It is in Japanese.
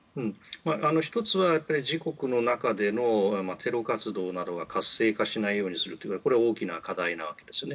１つは自国の中でのテロ活動などが活性化しないようにするこれが大きな課題なわけですね。